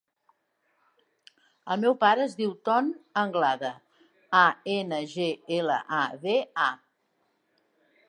El meu pare es diu Tom Anglada: a, ena, ge, ela, a, de, a.